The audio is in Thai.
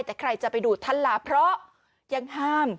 แต่ใครจะไปดูท่านลาเพราะยังห้าม